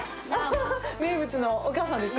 名物のお母さんですか？